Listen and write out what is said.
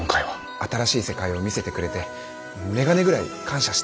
新しい世界を見せてくれて眼鏡ぐらい感謝してます。